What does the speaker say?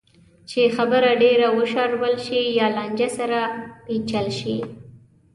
چې خبره ډېره وشاربل شي یا لانجه سره پېچل شي.